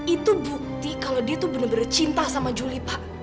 itu bukti bahwa dia benar benar cinta sama juli pak